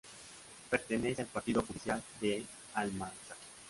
Pertenece al partido judicial de Almansa.